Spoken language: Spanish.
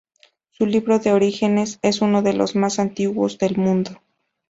Su libro de orígenes es uno de los más antiguos del mundo.